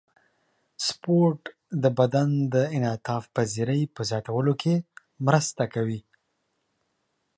سپورت د بدن د انعطاف پذیرۍ په زیاتولو کې مرسته کوي.